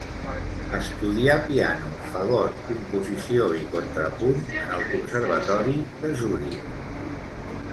Estudià piano, fagot, composició i contrapunt en el Conservatori de Zuric.